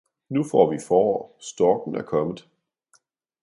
Nu får vi forår, storken er kommet!